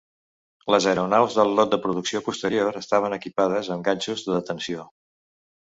Les aeronaus del lot de producció posterior estaven equipades amb ganxos de detenció.